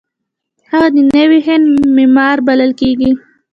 هغه د نوي هند معمار بلل کیږي.